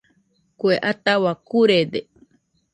Kue ataua kurede.